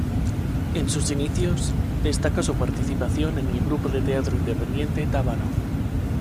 En sus inicios, destaca su participación en el grupo de teatro independiente Tábano.